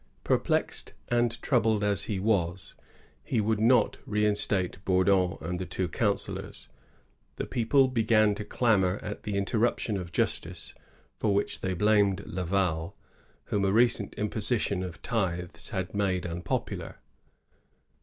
Perplexed and troubled as he was, he would not reinstate Bourdon and the two councillors. The people began to clamor at the interruption of justice, for which they blamed Laval, whom a recent impo sition of tithes had made unpopular.